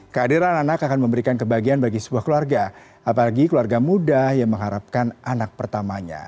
kehadiran anak akan memberikan kebahagiaan bagi sebuah keluarga apalagi keluarga muda yang mengharapkan anak pertamanya